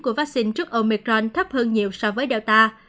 của vaccine trước omicron thấp hơn nhiều so với delta